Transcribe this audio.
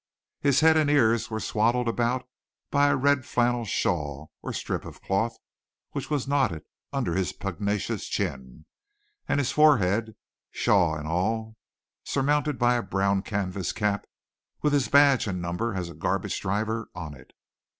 His head and ears were swaddled about by a red flannel shawl or strip of cloth which was knotted under his pugnacious chin, and his forehead, shawl and all, surmounted by a brown canvas cap with his badge and number as a garbage driver on it.